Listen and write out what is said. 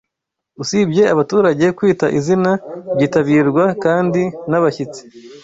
Usibye abaturage, kwita izina byitabirwa kandi n’abashyitsi